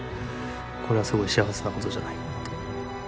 これはすごい幸せなことじゃないかなと。